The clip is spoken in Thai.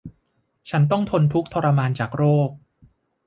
ฉันต้องทนทุกข์ทรมานจากโรค